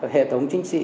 hệ thống chính sĩ